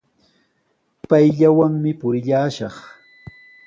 Payllawanmi purillashaq.